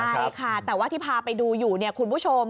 ใช่ค่ะแต่ว่าที่พาไปดูอยู่เนี่ยคุณผู้ชม